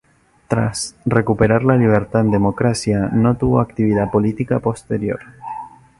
Tras recuperar la libertad en democracia no tuvo actividad política posterior.